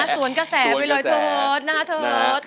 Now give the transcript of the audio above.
สวนกระแสไปเลยโทษน่าโทษ